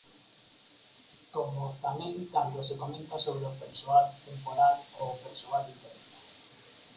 Como tamén cando se comenta sobre o persoal temporal ou o persoal interino.